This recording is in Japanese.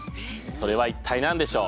それは一体何でしょう？